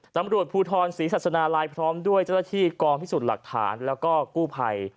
ตำรวจภูทรศรีศาสนาลัยพร้อมด้วยเจ้าหน้าที่กองพิสูจน์หลักฐานแล้วก็กู้ภัย